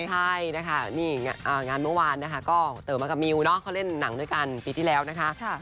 ใช่นะคะนี่งานเมื่อวานนะคะก็เต๋อมากับมิวเนอะเขาเล่นหนังด้วยกันปีที่แล้วนะคะ